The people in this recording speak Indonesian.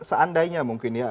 seandainya mungkin ya